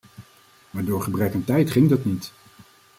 Maar door gebrek aan tijd ging dat niet.